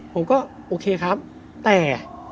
ผมก็โอเคครับแต่